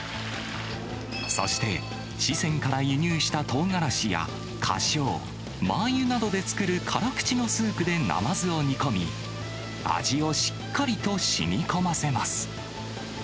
そして、四川から輸入したトウガラシやかしょう、マーユなどで作る辛口のスープでナマズを煮込み、味をしっかりとしみこませます。